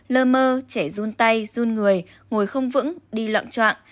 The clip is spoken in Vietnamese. lơ mơ trẻ run tay run người ngồi không vững đi lọng trọng